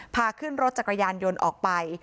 พาขึ้นรถจักรยานยนต์ออกไป